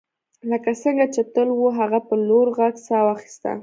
لکه څنګه چې تل وو هغه په لوړ غږ ساه واخیسته